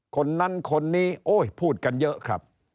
คนนั้นคนนี้โอ้ยพูดกันเยอะครับ